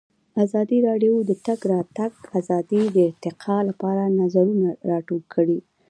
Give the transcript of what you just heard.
ازادي راډیو د د تګ راتګ ازادي د ارتقا لپاره نظرونه راټول کړي.